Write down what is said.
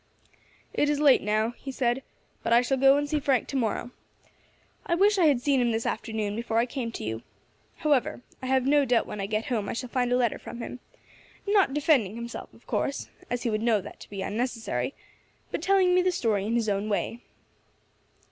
"It is late now," he said, "but I shall go and see Frank to morrow. I wish I had seen him this afternoon before I came to you. However, I have no doubt when I get home I shall find a letter from him not defending himself, of course, as he would know that to be unnecessary, but telling me the story in his own way."